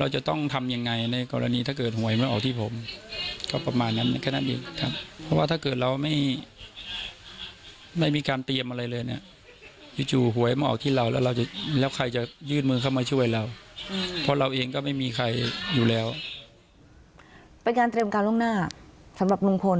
ระยายการเตรียมการลงหน้าสำหรับลุงพล